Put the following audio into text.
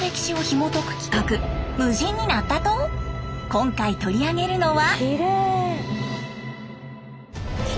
今回取り上げるのは。